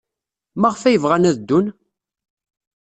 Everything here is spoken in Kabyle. Maɣef ay bɣan ad ddun?